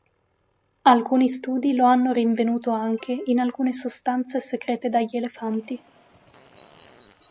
Alcuni studi lo hanno rinvenuto anche in alcune sostanze secrete dagli elefanti.